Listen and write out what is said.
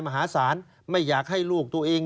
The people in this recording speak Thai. มหาศาลไม่อยากให้ลูกตัวเอง